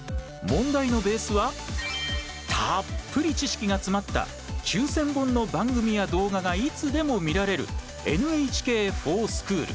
問題のベースはたっぷり知識が詰まった９０００本の番組や動画がいつでも見られるＮＨＫｆｏｒＳｃｈｏｏｌ。